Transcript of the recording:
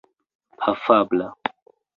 afabla